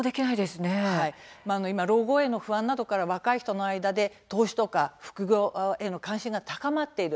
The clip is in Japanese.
今、老後への不安などから若い人の間で投資とか副業への関心が高まっている。